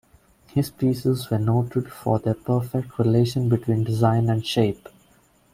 His pieces were noted for their perfect relation between design and shape.